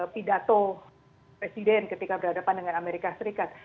pidato presiden ketika berhadapan dengan amerika serikat